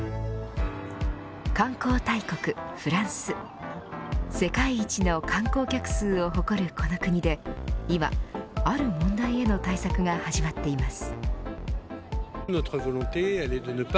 観光大国フランス世界一の観光客数を誇るこの国で今、ある問題への対策が始まっています。